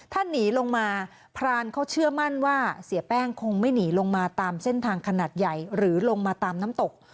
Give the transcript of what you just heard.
ถ้าหนีลงมาพรานเขาเชื่อมั่นว่าเสียแป้งคงไม่หนีลงมาตามเส้นทางขนาดใหญ่หรือลงมาตามน้ำตก